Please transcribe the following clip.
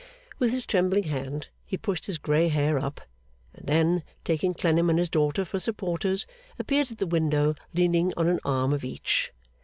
With his trembling hand he pushed his grey hair up, and then, taking Clennam and his daughter for supporters, appeared at the window leaning on an arm of each.